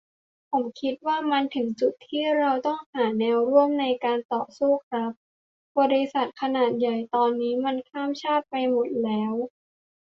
ผมคิดว่ามันถึงจุดที่ เราต้องหาแนวร่วมในการต่อสู้ครับ บริษัทขนาดใหญ่ตอนนี้มันข้ามชาติไปหมดแล้ว